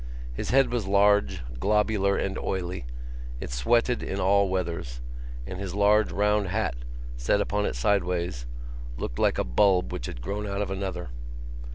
His head was large, globular and oily; it sweated in all weathers; and his large round hat, set upon it sideways, looked like a bulb which had grown out of another.